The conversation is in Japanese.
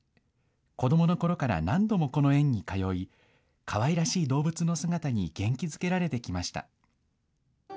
子どものころから何度もこの園に通い、かわいらしい動物の姿に元気づけられてきました。